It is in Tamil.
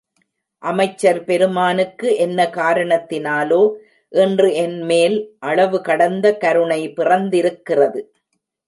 அமைச்சர் பெருமானுக்கு என்ன காரணத்தினாலோ இன்று என்மேல் அளவுகடந்த கருணை பிறந்திருக்கிறது.